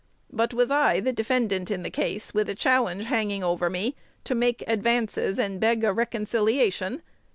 But was I, the defendant in the case, with a challenge hanging over me, to make advances, and beg a reconciliation?